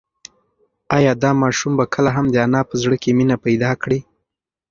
ایا دا ماشوم به کله هم د انا په زړه کې مینه پیدا کړي؟